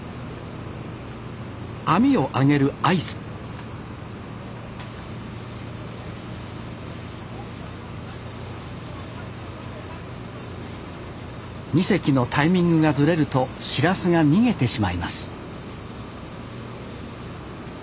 網を上げる合図２隻のタイミングがずれるとシラスが逃げてしまいます